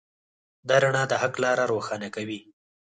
دا رڼا د حق لاره روښانه کوي.